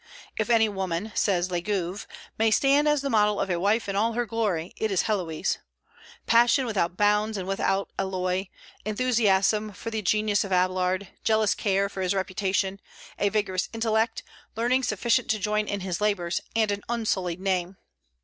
"If any woman," says Legouvé, "may stand as the model of a wife in all her glory, it is Héloïse. Passion without bounds and without alloy, enthusiasm for the genius of Abélard, jealous care for his reputation, a vigorous intellect, learning sufficient to join in his labors, and an unsullied name."